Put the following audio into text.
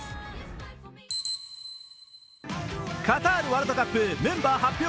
カタールワールドカップ、メンバー発表